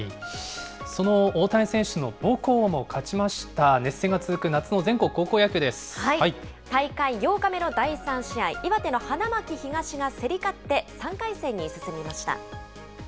その大谷選手の母校も勝ちました、大会８日目の第３試合、岩手の花巻東が競り勝って、３回戦に進みました。